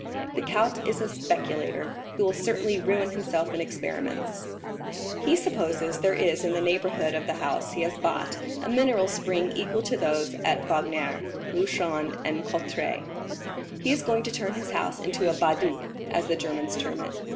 "The count is a speculator, who will certainly ruin himself in experiments. He supposes there is in the neighborhood of the house he has bought a mineral spring equal to those at Bagnères, Luchon, and Cauterets. He is going to turn his house into a Badhaus, as the Germans term it.